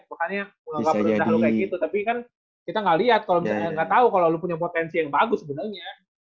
pokoknya nggak perlu kayak gitu tapi kan kita nggak lihat kalau misalnya nggak tahu kalau lo punya potensi yang bagus sebenarnya